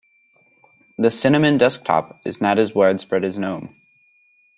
The cinnamon desktop is not as widespread as gnome.